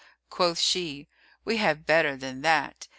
Quoth she, "We have better than that."